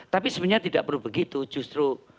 tapi sebenarnya tidak perlu begitu justru